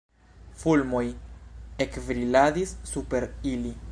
Fulmoj ekbriladis super ili.